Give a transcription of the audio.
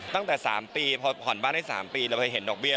ตั้งแต่๓ปีพอผ่อนบ้านได้๓ปีเราไปเห็นดอกเบี้